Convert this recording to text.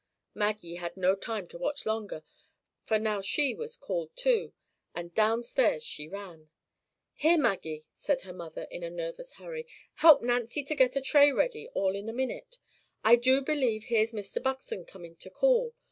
Maggie had no time to watch longer; for now she was called too, and down stairs she ran. "Here, Maggie," said her mother, in a nervous hurry; "help Nancy to get a tray ready all in a minute. I do believe here's Mr. Buxton coming to call.